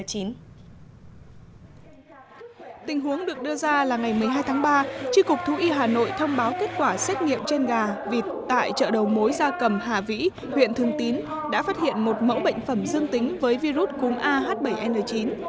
tình huống được đưa ra là ngày một mươi hai tháng ba tri cục thú y hà nội thông báo kết quả xét nghiệm trên gà vịt tại chợ đầu mối gia cầm hà vĩ huyện thường tín đã phát hiện một mẫu bệnh phẩm dương tính với virus cúm ah bảy n chín